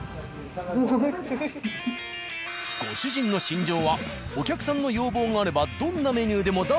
ご主人の信条はお客さんの要望があればどんなメニューでも出す。